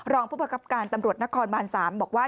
รองผู้ประคับการตำรวจนครบาน๓บอกว่า